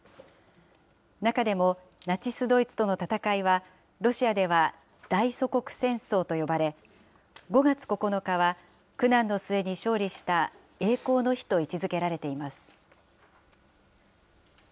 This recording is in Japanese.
中でも、ナチス・ドイツとの戦いは、ロシアでは大祖国戦争と呼ばれ、５月９日は苦難の末に勝利した栄光の日と位置づけられています。